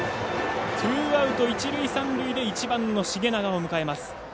ツーアウト、一塁三塁で１番の繁永を迎えます。